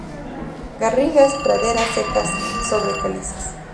Garrigas, praderas secas, sobre calizas.